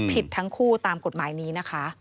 ผิดทั้งคู่ตามกฎหมายนี้นะคะ